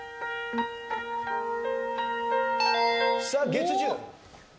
月１０！